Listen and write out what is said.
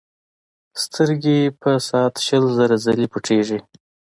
سترګې په ساعت شل زره ځلې پټېږي.